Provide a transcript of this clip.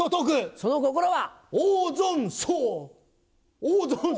その心は？